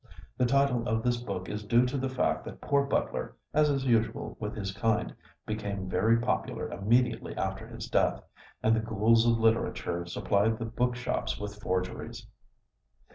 The title of this book is due to the fact that poor Butler, as is usual with his kind, became very popular immediately after his death, and the ghouls of literature supplied the book shops with forgeries.